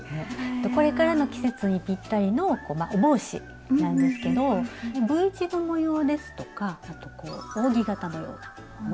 これからの季節にぴったりのお帽子なんですけどＶ字の模様ですとか扇形のような模様がね